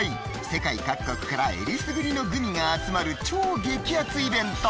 世界各国からえりすぐりのグミが集まる超激アツイベント